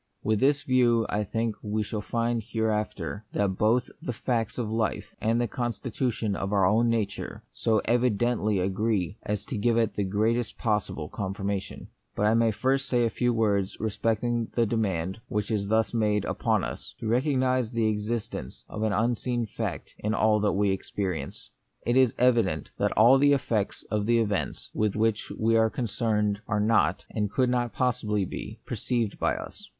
With this view I think we shall find here after that both the facts of life and the consti tution of our own nature so evidently agree as to give it the greatest possible confirmation. But I may first say a few words respecting / 20 The Mystery of Pain. the demand which is thus made upon us to ^recognise the existence of an unseen fact in all that we experience. It is evident that all the effects of the events / with which we are concerned are not, and could not possibly be, perceived by us.